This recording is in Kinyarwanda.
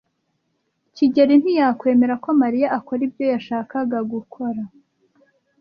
kigeli ntiyakwemera ko Mariya akora ibyo yashakaga gukora.